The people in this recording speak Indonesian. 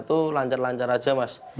itu lancar lancar aja mas